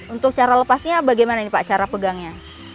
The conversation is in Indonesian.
untuk cara lepasnya bagaimana nih pak cara pegangnya